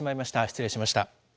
失礼しました。